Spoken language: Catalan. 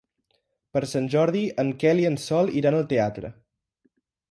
Per Sant Jordi en Quel i en Sol iran al teatre.